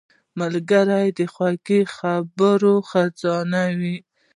ملګری د خوږو خبرو خزانه وي